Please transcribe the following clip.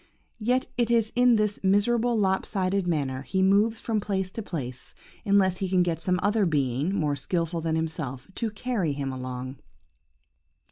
Yet it is in this miserable lop sided manner he moves from place to place, unless he can get some other being, more skilful than himself, to carry him along.